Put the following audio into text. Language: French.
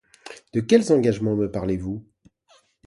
De quels engagements me parlez-vous ?